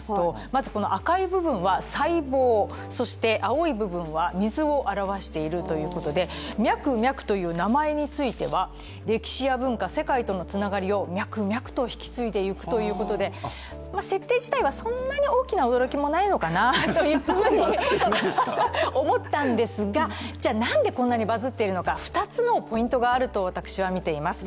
まず赤い部分は細胞、青い部分は水を表しているということでミャクミャクという名前については歴史や文化、世界とのつながりを脈々と引き継いでいくということで、設定自体はそんなに大きな驚きもないのかなと思ったんですが、じゃあ、なんで、こんなにバズっているのか２つのポイントがあると私は見ています。